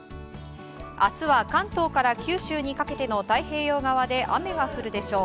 明日は関東から九州にかけての太平洋側で雨が降るでしょう。